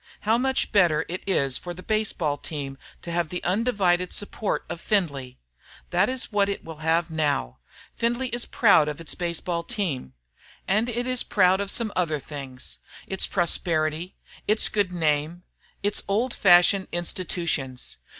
How much better it is for the baseball team to have the undivided support of Findlay! That is what it will now have. Findlay is proud of its baseball team. And it is proud of some other things, its prosperity, its good name, its old fashioned institutions.